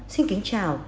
xin kính chào